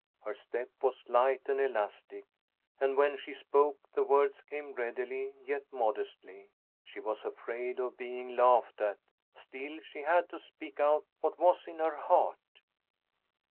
Her step was light and elastic, and when she spoke, the words came readily, yet modestly. She was afraid of being laughed at, still she had to speak out what was in her heart.